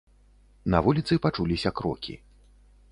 На вуліцы пачуліся крокі.